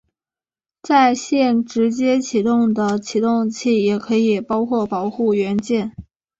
在线直接起动的启动器也可以包括保护元件。